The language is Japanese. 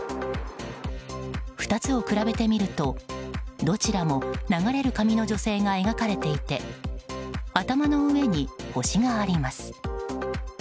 ２つを比べてみるとどちらも流れる髪の女性が描かれていて頭の上に星があります。